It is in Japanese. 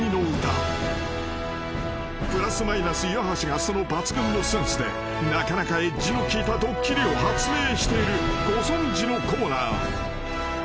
［プラス・マイナス岩橋がその抜群のセンスでなかなかエッジの効いたドッキリを発明しているご存じのコーナー］